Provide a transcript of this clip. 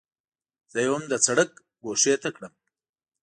زه یې هم د سړک ګوښې ته کړم.